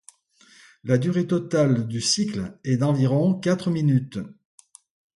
La durée totale du cycle est d'environ quatre minutes.